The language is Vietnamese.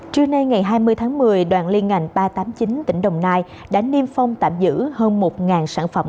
trưa nay ngày hai mươi tháng một mươi đoàn liên ngành ba trăm tám mươi chín tỉnh đồng nai đã niêm phong tạm giữ hơn một sản phẩm